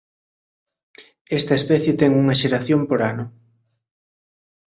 Esta especie ten unha xeración por ano.